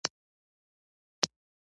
• د ریل لیکو په واسطه لرې ښارونه وصل شول.